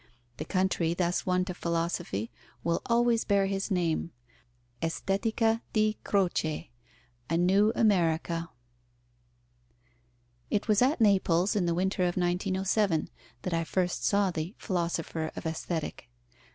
The country thus won to philosophy will always bear his name, Estetica di Croce, a new America. It was at Naples, in the winter of 1907, that I first saw the Philosopher of Aesthetic.